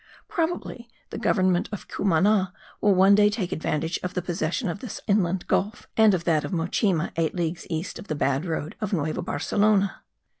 Probably the government of Cumana will one day take advantage of the possession of this inland gulf and of that of Mochima,* eight leagues east of the bad road of Nueva Barcelona.